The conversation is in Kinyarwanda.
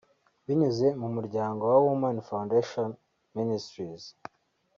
binyuze mu muryango wa Women Foundation Ministries